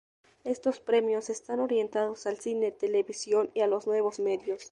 Estos premios, están orientados al cine, televisión, y a los nuevos medios.